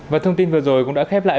và thông tin vừa rồi cũng đã khép lại